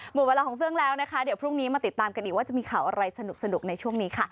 หมดเวลาของเฟื่องแล้วนะคะเดี๋ยวพรุ่งนี้มาติดตามกันอีกว่าจะมีข่าวอะไรสนุกในช่วงนี้ค่ะ